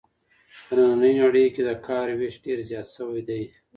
په نننۍ نړۍ کې د کار وېش ډېر زیات سوی دی.